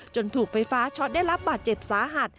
ถูกไฟฟ้าช็อตได้รับบาดเจ็บสาหัส